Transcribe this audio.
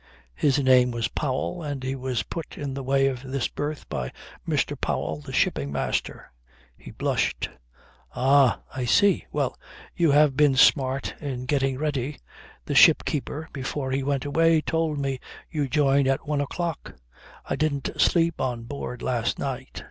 His name was Powell, and he was put in the way of this berth by Mr. Powell, the shipping master. He blushed. "Ah, I see. Well, you have been smart in getting ready. The ship keeper, before he went away, told me you joined at one o'clock. I didn't sleep on board last night.